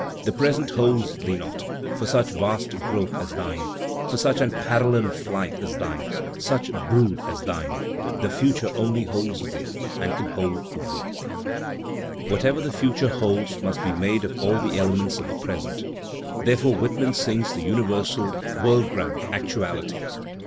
The present holds thee not — for such vast growth as thine^ For such unparallel'd flight as thine, such brood as thine^ The Future only holds thee and can hold thee. Whatever the future holds must be made of all the ele ments of the present. Therefore Whitman sings the imiversal \ Digitized by Google 218 THE SPIRIT OF AMERICAN LITERATURE world ground, actuality.